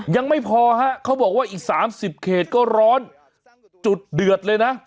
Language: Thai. ยังไม่พอฮะเขาบอกว่าอีก๓๐เขตก็ร้อนจุดเดือดเลยนะ